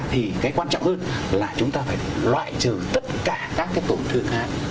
thì cái quan trọng hơn là chúng ta phải loại trừ tất cả các cái tổn thương khác